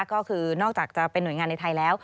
ก็คือนอกจากจะเป็นหน่วยงานในไทยแล้ว